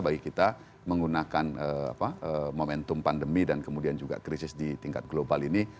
bagi kita menggunakan momentum pandemi dan kemudian juga krisis di tingkat global ini